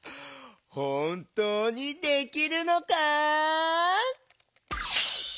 ほんとうにできるのか？